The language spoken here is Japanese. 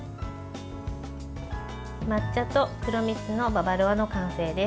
抹茶と黒蜜のババロアの完成です。